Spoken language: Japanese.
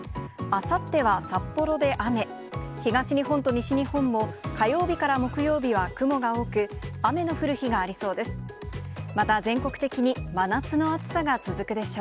あさっては札幌で雨、東日本と西日本も、火曜日から木曜日は雲が多く、雨の降る日がありそうです。